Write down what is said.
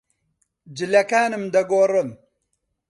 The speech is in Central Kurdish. جلەکانم دەگۆڕم.